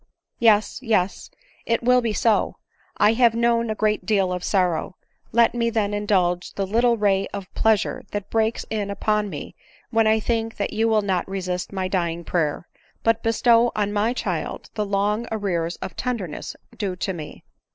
Yes, yes — it will be so ; 1 have known a great deal of sorrow — let me then indulge the little ray of plea sure that breaks in upon me when I think that you will not resist my dying prayer, but bestow on my child the long arrears of tenderness due to me.